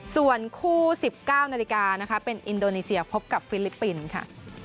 ส่วนคู่๑๙นาฬิกานะคะเป็นอินโดนีเซียพบกับฟิลิปปินส์ค่ะ